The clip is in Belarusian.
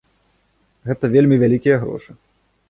Гэта вельмі вялікія грошы.